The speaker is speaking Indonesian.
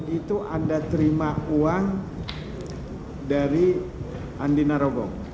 itu anda terima uang dari andina robong